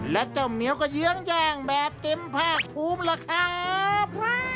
และเจ้าเหมียวก็เยื้องย่างแบบเต็มภาคภูมิล่ะครับ